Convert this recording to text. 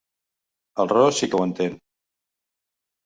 El ros sí que ho entén.